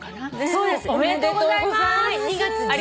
そうです。おめでとうございます。